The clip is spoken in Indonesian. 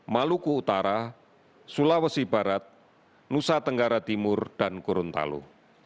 maluku utara sulawesi barat nusa tenggara timur dan gorontalo